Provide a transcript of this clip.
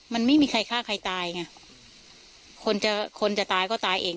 มันไม่มีใครฆ่าใครตายไงคนจะคนจะตายก็ตายเอง